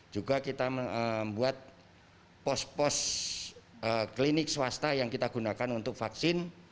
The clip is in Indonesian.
juga kita membuat pos pos klinik swasta yang kita gunakan untuk vaksin